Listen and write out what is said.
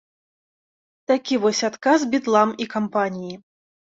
Такі вось адказ бітлам і кампаніі.